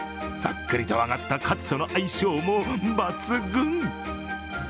さっくりと揚がったカツとの相性も抜群。